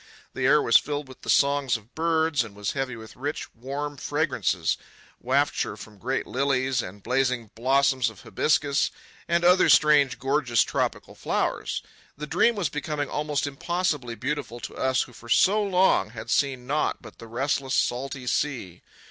The air was filled with the songs of birds and was heavy with rich warm fragrances—wafture from great lilies, and blazing blossoms of hibiscus, and other strange gorgeous tropic flowers. The dream was becoming almost impossibly beautiful to us who for so long had seen naught but the restless, salty sea.